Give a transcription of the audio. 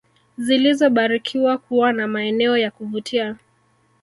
zilizobarikiwa kuwa na maeneo ya kuvutia